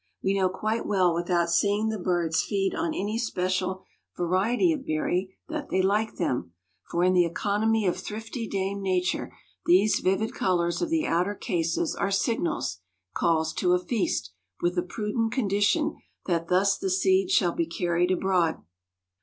We know quite well without seeing the birds feed on any special variety of berry that they like them, for in the economy of thrifty Dame Nature these vivid colors of the outer cases are signals—calls to a feast, with the prudent condition that thus the seeds shall be carried abroad.